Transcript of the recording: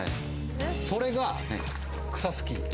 それが、草スキー。